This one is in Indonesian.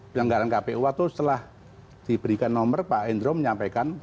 penganggaran kpua itu setelah diberikan nomor pak endro menyampaikan